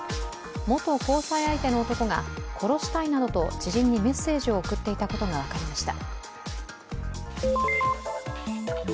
元交際相手の男が殺したいなどと知人にメッセージを送っていたことが分かりました。